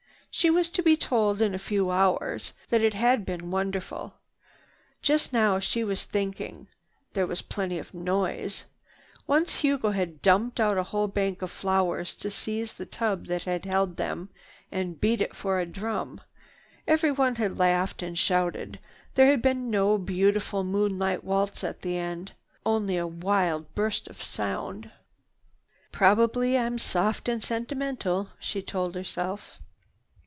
She was to be told in a few hours that it had been wonderful. Just now she was thinking, "There was plenty of noise." Once Hugo had dumped out a whole bank of flowers to seize the tub that had held them, and beat it for a drum. Everyone had laughed and shouted. There had been no beautiful moonlight waltz at the end, only a wild burst of sound. "Probably I'm soft and sentimental," she told herself.